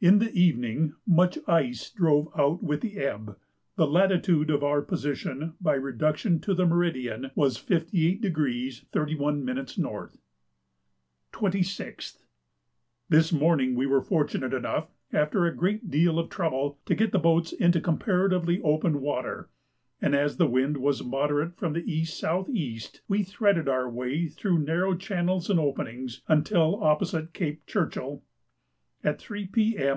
In the evening much ice drove out with the ebb. The latitude of our position by reduction to the meridian was 58° 31' N. 26th. This morning we were fortunate enough, after a great deal of trouble, to get the boats into comparatively open water, and as the wind was moderate from E.S.E. we threaded our way, through narrow channels and openings, until opposite Cape Churchill. At 3 P.M.